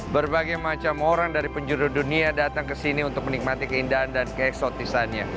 berbagai macam orang dari penjuru dunia datang ke sini untuk menikmati keindahan dan keeksotisannya